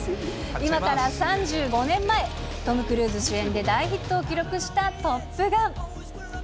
今から３５年前、トム・クルーズ主演で大ヒットを記録したトップガン。